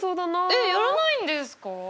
えっやらないんですか？